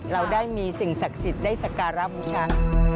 เราได้มีสิ่งศักดิ์สิทธิ์ได้สการะบูชา